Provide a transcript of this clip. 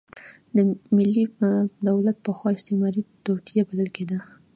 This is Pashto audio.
ملي دولت پخوا استعماري توطیه بلل کېده.